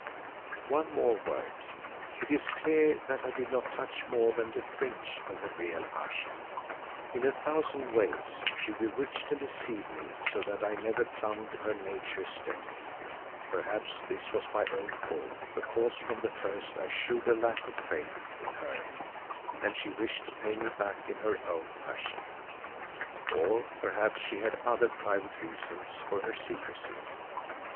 One more word. It is clear that I did not touch more than the fringe of the real Ayesha. In a thousand ways she bewitched and deceived me so that I never plumbed her nature's depths. Perhaps this was my own fault because from the first I shewed a lack of faith in her and she wished to pay me back in her own fashion, or perhaps she had other private reasons for her secrecy.